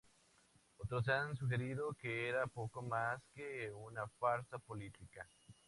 Otros han sugerido que era poco más que una farsa política.